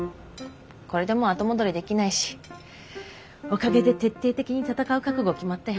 これでもう後戻りできないしおかげで徹底的に戦う覚悟決まったよ。